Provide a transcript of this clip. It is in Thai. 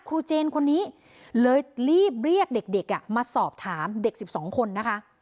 เจนคนนี้เลยรีบเรียกเด็กมาสอบถามเด็ก๑๒คนนะคะ